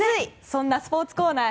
そんなスポーツコーナー